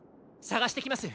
さがしてきます！